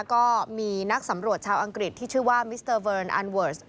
ก็มีนักสำรวจชาวอังกฤษที่ชื่อว่ามิสเตอร์เฟิร์นอันเวิร์ส